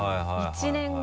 １年後。